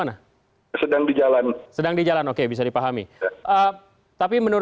daripada di kuala lumpur